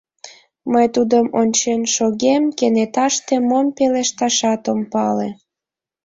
Мый тудым ончен шогем, кенеташте мом пелешташат ом пале.